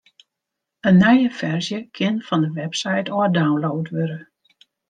In nije ferzje kin fan de website ôf download wurde.